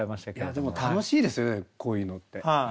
でも楽しいですよねこういうのって。